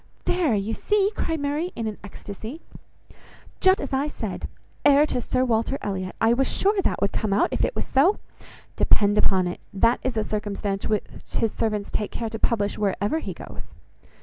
"There! you see!" cried Mary in an ecstasy, "just as I said! Heir to Sir Walter Elliot! I was sure that would come out, if it was so. Depend upon it, that is a circumstance which his servants take care to publish, wherever he goes.